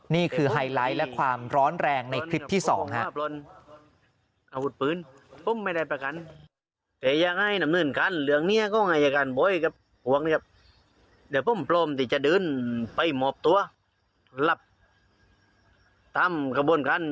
ไฮไลท์และความร้อนแรงในคลิปที่๒ครับ